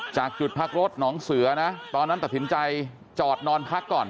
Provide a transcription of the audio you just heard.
จากจุดพักรถหนองเสือนะตอนนั้นตัดสินใจจอดนอนพักก่อน